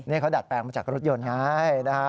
นี่เขาดัดแปลงมาจากรถยนต์ไงนะฮะ